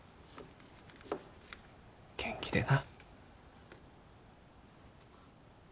元気でな。